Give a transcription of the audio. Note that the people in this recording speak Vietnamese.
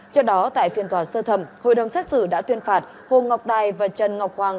trước đó tại phiên tòa sơ thẩm hội đồng xét xử đã tuyên phạt hồ ngọc tài và trần ngọc hoàng